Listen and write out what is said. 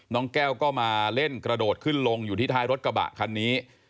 น้องแก้วก็มาเล่นกระโดดขึ้นลงอยู่ที่ท้ายรถกระบะคันนี้